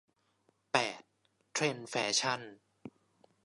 แปด เทรนด์แฟชั่น